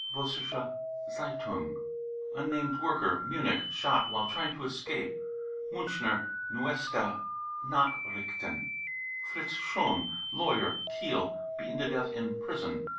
(Vossiscke Z €& un i ) unnamed worker, Munich, shot " while trying to escape." ( Miinchner Neueste Jsfachrichten.) fritz schlumm, lawyer, Kiel, beaten to death in prison.